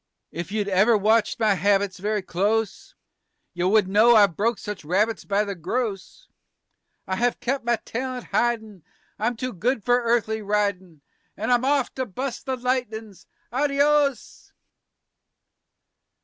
"If you'd ever watched my habits very close You would know I've broke such rabbits by the gross. I have kep' my talent hidin'; I'm too good for earthly ridin' _And I'm off to bust the lightnin's, Adios!